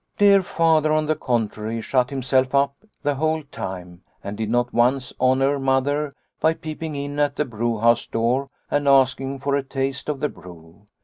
Dear Father, on the contrary, shut himself up the whole time and did not once honour Mother by peeping in at the brewhouse door and asking for a taste of the brew.